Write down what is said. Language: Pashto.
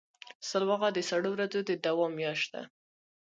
سلواغه د سړو ورځو د دوام میاشت ده.